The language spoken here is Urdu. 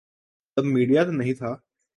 تب میڈیا تو نہیں تھا۔